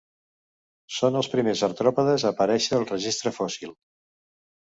Són els primers artròpodes a aparèixer al registre fòssil.